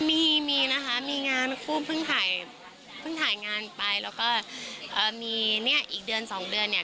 มีมีนะคะมีงานคู่เพิ่งถ่ายเพิ่งถ่ายงานไปแล้วก็มีเนี่ยอีกเดือนสองเดือนเนี่ย